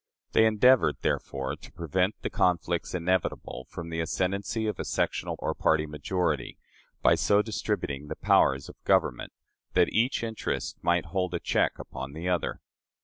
They endeavored, therefore, to prevent the conflicts inevitable from the ascendancy of a sectional or party majority, by so distributing the powers of government that each interest might hold a check upon the other.